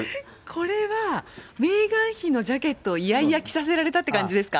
これは、メーガン妃のジャケットを嫌々着させられたっていう感じですか？